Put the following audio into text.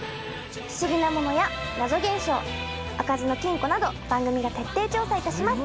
不思議なものや謎現象開かずの金庫など番組が徹底調査いたします。